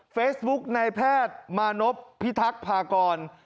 เฟซบุ๊กในแพทย์มานพพิทักษ์พากร